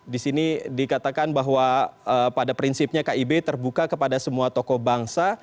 di sini dikatakan bahwa pada prinsipnya kib terbuka kepada semua tokoh bangsa